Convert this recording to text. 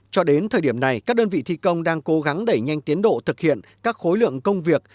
cho đến thời điểm này các đơn vị thi công đang cố gắng đẩy nhanh tiến độ thực hiện các khối lượng công việc